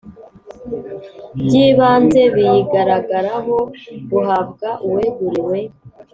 By ibanze biyigaragaraho buhabwa uweguriwe